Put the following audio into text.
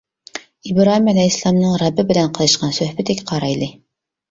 ئىبراھىم ئەلەيھىسسالامنىڭ رەببى بىلەن قىلىشقان سۆھبىتىگە قارايلى.